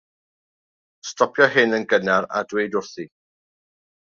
Stopia hyn yn gynnar a dweud wrthi.